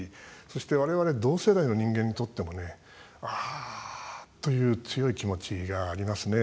そして、われわれ同世代の人間にとってもねあーという強い気持ちがありますね。